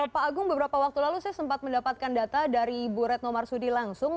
pak agung beberapa waktu lalu saya sempat mendapatkan data dari bu retno marsudi langsung